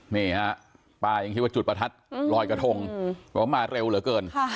นี่ฮะป้ายังคิดว่าจุดประทัดลอยกระทงบอกว่ามาเร็วเหลือเกิน